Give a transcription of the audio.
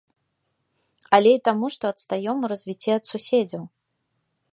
Але і таму, што адстаём у развіцці ад суседзяў.